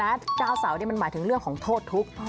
ดาวเสาเนี่ยมันหมายถึงเรื่องของโทษทุกข์